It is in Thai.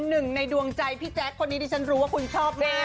หนึ่งในดวงใจพี่แจ๊คคนนี้ดิฉันรู้ว่าคุณชอบแน่